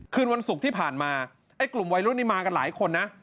คืนวันศุกร์ที่ผ่านมาไอ้กลุ่มวัยรุ่นนี้มากันหลายคนนะ